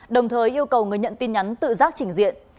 đồng thời yêu cầu người nhận tin nhắn tự giác chỉnh diện